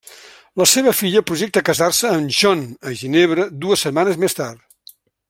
La seva filla projecta casar-se amb John a Ginebra dues setmanes més tard.